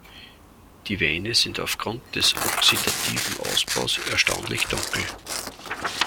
Die Weine sind aufgrund des oxidativen Ausbaus erstaunlich dunkel.